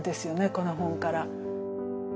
この本から。